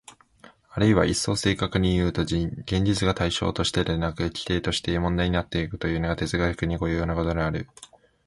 あるいは一層正確にいうと、現実が対象としてでなく基底として問題になってくるというのが哲学に固有なことである。